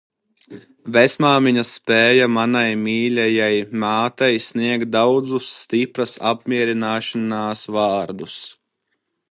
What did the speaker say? Vecmāmiņa spēja manai mīļajai mātei, sniegt daudzus stipras apmierināšanās vārdus.